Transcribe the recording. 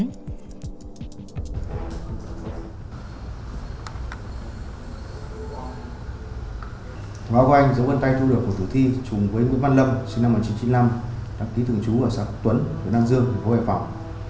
thưa quý anh dấu vươn tay thu được của thử thi trùng với nguyễn văn lâm sinh năm một nghìn chín trăm chín mươi năm đặc ký thường trú ở xã quốc tuấn huyện đăng dương phố hòa phảo